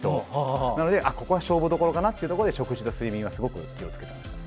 なので、ここは勝負どころかなというところで食事と睡眠はすごく気をつけていました。